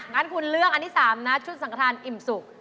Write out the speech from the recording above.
งั้นคุณเลือกอันที่๓นะชุดสังฆฐานอิ่มสุก